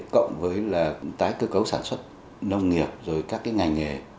cộng với tái cơ cấu sản xuất nông nghiệp các ngành nghề